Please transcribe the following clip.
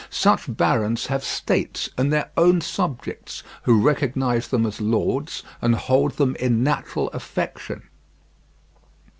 Such barons have states and their own subjects, who recognize them as lords and hold them in natural affection.